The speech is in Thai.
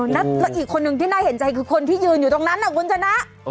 แล้วอีกคนนึงที่น่าเห็นใจคือคนที่ยืนอยู่ตรงนั้นนะคุณชนะ